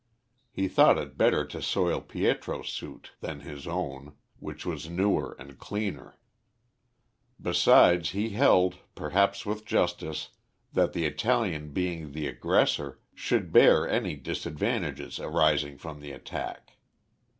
He thought it better to soil Pietro's suit than his own, which was newer and cleaner; besides, he held, perhaps with justice, that the Italian being the aggressor should bear any disadvantages arising from the attack.